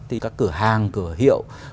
thì các cửa hàng cửa hiệu